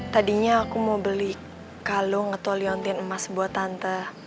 tadinya aku mau beli kalung atau oliontin emas buat tante